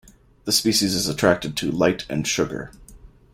The species is attracted to light and sugar.